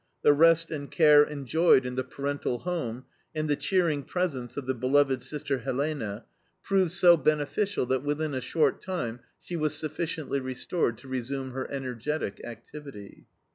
The rest and care enjoyed in the parental home, and the cheering presence of the beloved sister Helene, proved so beneficial that within a short time she was sufficiently restored to resume her energetic activity.